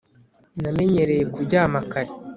Namenyereye kuryama kare